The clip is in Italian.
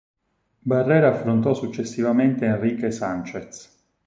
Barrera affrontò successivamente Enrique Sanchez.